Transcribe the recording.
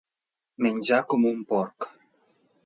Menjar com un porc.